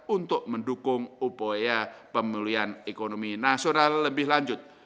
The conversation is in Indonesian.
untuk mendukung upaya pemulihan ekonomi nasional lebih lanjut